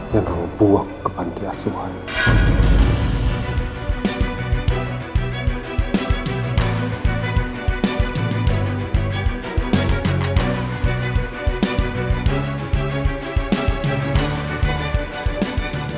yang ngelupu aku ke panti asuhan